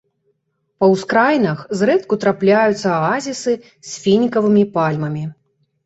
Па ўскраінах зрэдку трапляюцца аазісы з фінікавымі пальмамі.